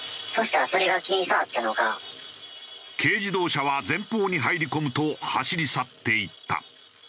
軽自動車は前方に入り込むと走り去っていった。